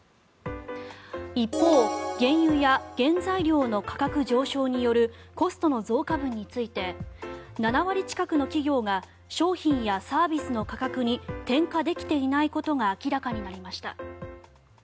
一方、原油や原材料の価格上昇によるコストの増加分について７割近くの企業が商品やサービスの価格に転嫁できてないことが明らかになりました。